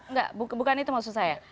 enggak bukan itu maksud saya